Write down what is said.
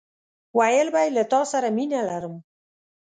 ويل به يې له تاسره مينه لرم!